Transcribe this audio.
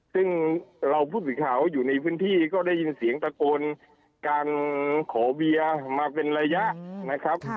ซึ่งเราผู้สื่อข่าวอยู่ในพื้นที่ก็ได้ยินเสียงตะโกนการขอเวียมาเป็นระยะนะครับ